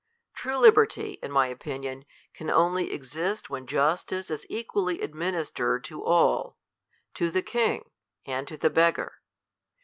True liberty, in rny opi i ion, can only exist when justice is equally administcreJ to ail ; to the king, and lo the beggar.